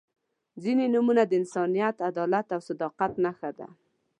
• ځینې نومونه د انسانیت، عدالت او صداقت نښه ده.